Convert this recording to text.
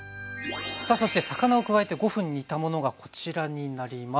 さあそして魚を加えて５分煮たものがこちらになります。